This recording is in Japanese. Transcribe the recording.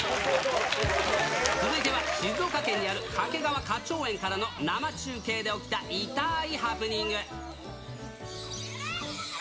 続いては静岡県にある掛川花鳥園からの生中継で起きた、痛ーいハプニング。